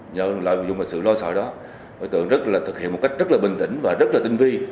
nhờ lợi dụng sự lo sợ đó tượng thực hiện một cách rất là bình tĩnh và rất là tinh vi